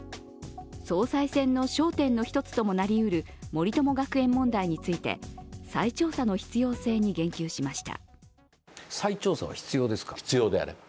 総裁選の焦点の１つともなりうる森友学園問題について、再調査の必要性に言及しました。